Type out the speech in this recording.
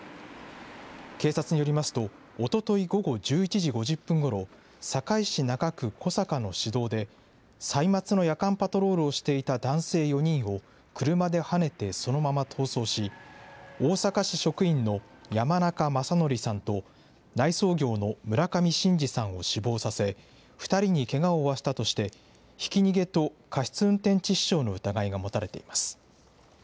警察によりますと、おととい午後１１時５０分ごろ、堺市中区小阪の市道で、歳末の夜間パトロールをしていた男性４人を、車ではねてそのまま逃走し、大阪市職員の山中正規さんと、内装業の村上伸治さんを死亡させ、２人にけがを負わせたとして、ひき逃げと過失運転致死傷の疑いが持たれています。